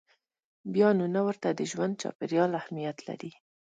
بیا نو نه ورته د ژوند چاپېریال اهمیت لري.